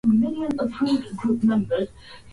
kabila la Waturuki wa Meskhetian halijaanzishwa haswa